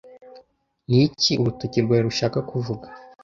niki urutoki rwawe rushaka kuvuga